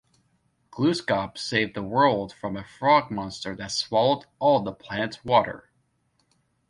Gluskab saved the world from a frog monster that swallowed all the planet's water.